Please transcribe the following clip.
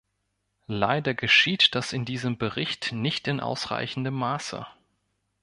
Leider geschieht das in diesem Bericht nicht in ausreichendem Maße.